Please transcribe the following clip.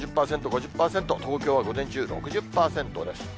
４０％、５０％、東京は午前中、６０％です。